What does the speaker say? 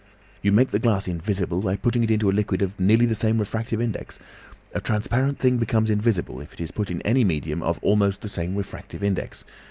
"You make the glass invisible by putting it into a liquid of nearly the same refractive index; a transparent thing becomes invisible if it is put in any medium of almost the same refractive index.